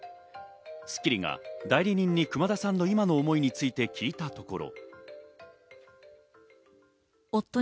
『スッキリ』が代理人に熊田さんの今の思いについて聞いたところ。